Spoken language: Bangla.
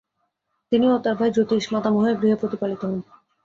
তিনি ও তার ভাই যতীশ মাতামহের গৃহে প্রতিপালিত হন।